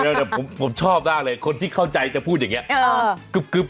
นี่ดับผมชอบน่ะเลยคนที่เข้าใจจะพูดอย่างนี้กึบกึบ